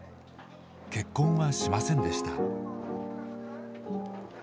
結婚はしませんでした。